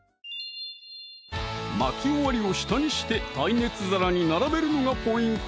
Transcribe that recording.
巻き終わりを下にして耐熱皿に並べるのがポイント！